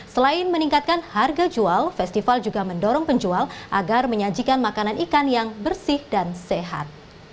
selain meningkatkan harga jual festival juga mendorong penjual agar menyajikan makanan ikan yang bersih dan sehat